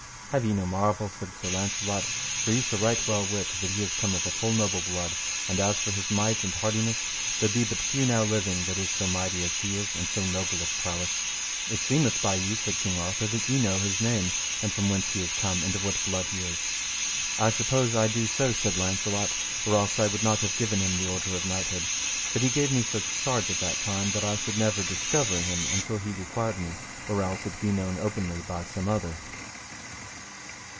Have ye no marvel, said Sir Launcelot, for ye shall right well wit that he is come of a full noble blood; and as for his might and hardiness, there be but few now living that is so mighty as he is, and so noble of prowess. It seemeth by you, said King Arthur, that ye know his name, and from whence he is come, and of what blood he is. I suppose I do so, said Launcelot, or else I would not have given him the order of knighthood; but he gave me such charge at that time that I should never discover him until he required me, or else it be known openly by some other.